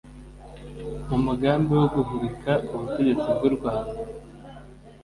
mu mugambi wo guhirika ubutegetsi bw’ u Rwanda.